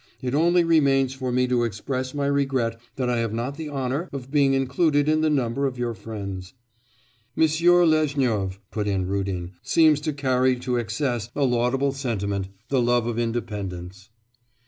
It only remains for me to express my regret that I have not the honour of being included in the number of your friends.' 'Monsieur Lezhnyov,' put in Rudin, 'seems to carry to excess a laudable sentiment the love of independence.